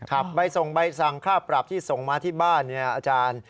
ใบส่งใบสั่งค่าปรับที่ส่งมาที่บ้านเนี่ยอาจารย์